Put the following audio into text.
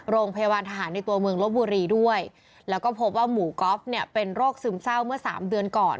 โรงพยาบาลทหารในตัวเมืองลบบุรีด้วยแล้วก็พบว่าหมูก๊อฟเนี่ยเป็นโรคซึมเศร้าเมื่อสามเดือนก่อน